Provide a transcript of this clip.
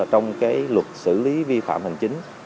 trong cái luật xử lý vi phạm hành chính